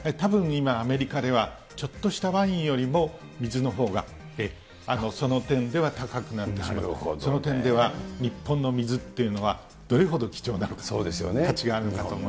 今、アメリカでは、ちょっとしたワインよりも水のほうが、その点では高くなってしまう、その点では、日本の水っていうのは、どれほど貴重なのか、価値があるのかと。